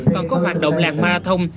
còn có hoạt động lạc marathon